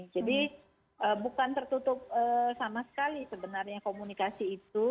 jadi bukan tertutup sama sekali sebenarnya komunikasi itu